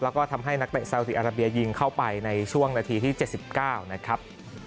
แล้วก็ทำให้นักเตะซาวดีอาราเบียยิงเข้าไปในช่วงนาทีที่๗๙นะครับ